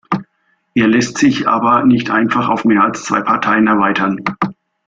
Er lässt sich aber nicht einfach auf mehr als zwei Parteien erweitern.